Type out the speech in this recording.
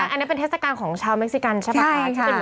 อันนี้เป็นเทศกาลของชาวเม็กซิกันใช่ป่ะ